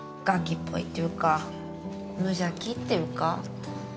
がきっぽいっていうか無邪気っていうか。